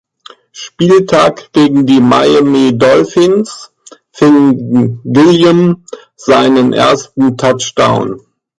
Spieltag gegen die Miami Dolphins fing Gilliam seinen ersten Touchdown.